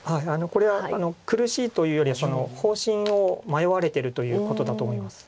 これは苦しいというよりは方針を迷われてるということだと思います。